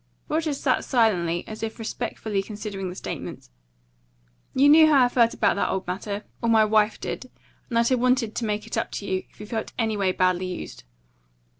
Rogers sat listening, as if respectfully considering the statements. "You knew how I felt about that old matter or my wife did; and that I wanted to make it up to you, if you felt anyway badly used.